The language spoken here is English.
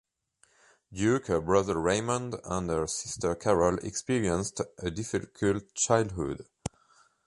Duke, her brother Raymond, and her sister Carol experienced a difficult childhood.